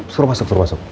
suruh masuk suruh masuk